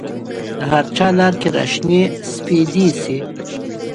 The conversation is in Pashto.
د هرچا لار کې را شنې سپیدې شي